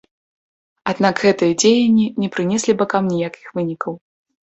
Аднак гэтыя дзеянні не прынеслі бакам ніякіх вынікаў.